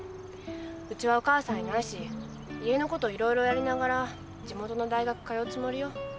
ウチはお母さんいないし家のこといろいろやりながら地元の大学通うつもりよ。